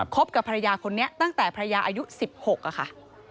กับภรรยาคนนี้ตั้งแต่ภรรยาอายุ๑๖ค่ะ